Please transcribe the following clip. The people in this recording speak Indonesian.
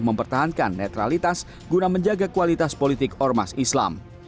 mempertahankan netralitas guna menjaga kualitas politik ormas islam